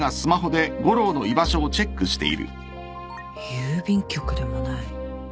郵便局でもない。